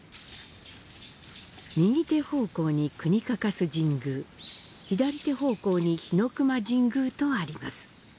右手方向に国懸神宮、左手方向に日前神宮とあります。